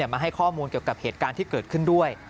มาให้ข้อมูลเกี่ยวกับเหตุการณ์ที่เกิดขึ้นด้วย